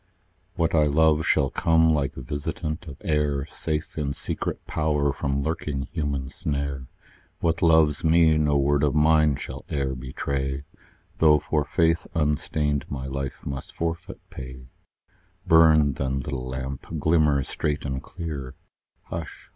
What I love shall come like visitant of air, Safe in secret power from lurking human snare; What loves me, no word of mine shall e'er betray, Though for faith unstained my life must forfeit pay Burn, then, little lamp; glimmer straight and clear Hush!